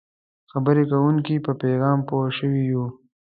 د خبرې کوونکي په پیغام پوه شوي یو.